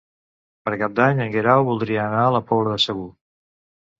Per Cap d'Any en Guerau voldria anar a la Pobla de Segur.